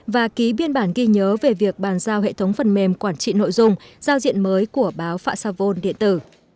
và ký biên bản ghi nhớ về việc bàn giao hệ thống phần mềm quản trị nội dung giao diện mới của báo phạm sa vôn điện tử